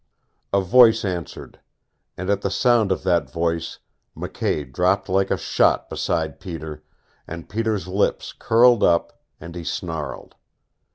A voice answered. And at the sound of that voice McKay dropped like a shot beside Peter, and Peter's lips curled up, and he snarled.